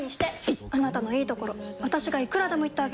いっあなたのいいところ私がいくらでも言ってあげる！